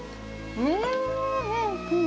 うん。